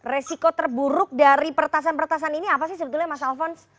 resiko terburuk dari pertasan peretasan ini apa sih sebetulnya mas alfons